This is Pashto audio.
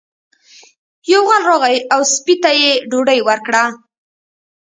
یو غل راغی او سپي ته یې ډوډۍ ورکړه.